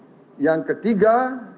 dalam sila yang ketiga